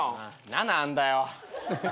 ７あんだよ。